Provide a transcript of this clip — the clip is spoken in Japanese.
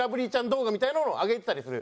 動画みたいなのを上げてたりする。